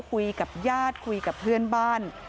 คุยกับญาติคุยกับเพื่อนบ้าน